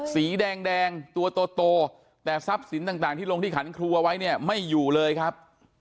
สีแดงตัวโตแต่ทรัพย์สินต่างที่ลงที่ขันครัวไว้เนี่ยไม่อยู่เลยครับ